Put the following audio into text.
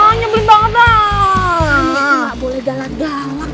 anjir tuh gak boleh galak galak